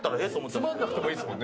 つまらなくてもいいですもんね。